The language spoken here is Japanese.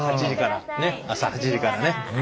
ねっ朝８時からね。